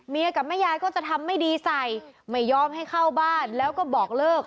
กับแม่ยายก็จะทำไม่ดีใส่ไม่ยอมให้เข้าบ้านแล้วก็บอกเลิก